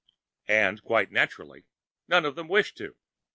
And, quite naturally, none of them wished to.